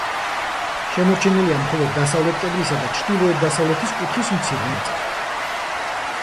შემორჩენილია მხოლოდ დასავლეთ კედლისა და ჩრდილოეთ-დასავლეთის კუთხის მცირე ნაწილი.